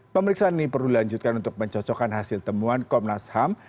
pemeriksaan ini perlu dilanjutkan untuk mencocokkan hasil temuan komnas ham